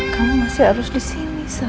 kamu masih harus disini sah